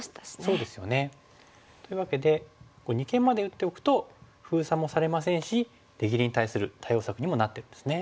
そうですよね。というわけで二間まで打っておくと封鎖もされませんし出切りに対する対応策にもなってるんですね。